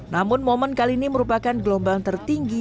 namun momen kali ini merupakan gelombang tertinggi